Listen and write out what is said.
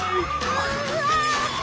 うわ！